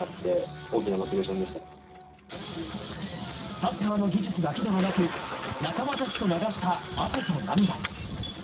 サッカーの技術だけではなく、仲間たちと流した汗と涙。